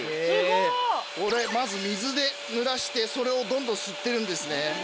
これまず水でぬらしてそれをどんどん吸ってるんですね。